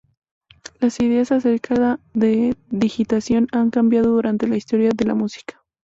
Las ideas acerca de digitación han cambiado durante la historia de la música.